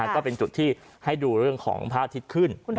ก็เป็นจุดที่ให้ดูเรื่องของพระอาทิตย์ขึ้น